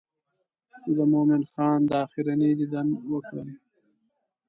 زه د مومن خان دا آخرنی دیدن وکړم.